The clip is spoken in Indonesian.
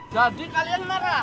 jadi kalian marahan